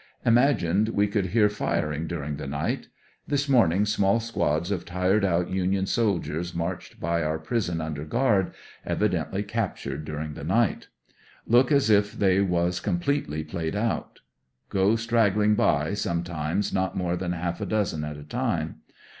Imagined we could hear firing during the night. This morn ing small squads of tired out union soldiers marched by our prison under guard, evidently captured through the night. Look as if they was completely played out. Go straggling by sometimes not more than half a dozen at a time.